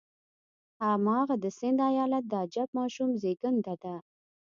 هماغه د سند ایالت د عجیب ماشوم زېږېدنه ده.